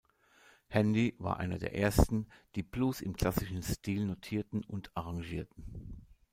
Handy war einer der ersten, die Blues im „klassischen“ Stil notierten und arrangierten.